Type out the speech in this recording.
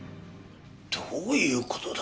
どういう事だ？